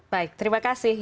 baik terima kasih